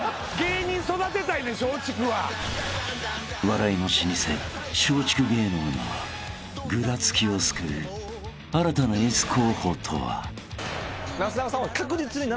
［笑いの老舗松竹芸能のぐらつきを救う新たなエース候補とは］